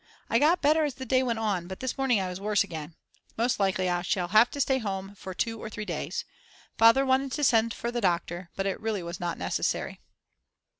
I got better as the day went on, but this morning I was worse again. Most likely I shall have to stay at home for 2 or 3 days. Father wanted to send for the doctor, but it really was not necessary.